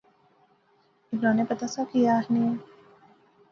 عمرانے پتہ سا کہیہ آخنی